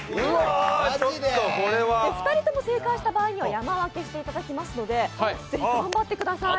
２人とも正解した場合には山分けしていただくのでぜひ頑張ってください。